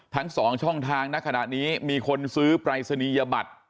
ทั้ง๒ช่องทางณขณะนี้มีคนซื้อปรายศนียบัตร